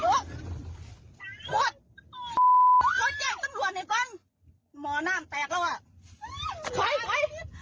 โอ้โฮแก้จังร่วงไอ้กล้องมอน่าแปลกแล้วอ่ะ